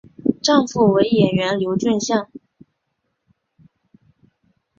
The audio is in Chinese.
丈夫为演员刘俊相。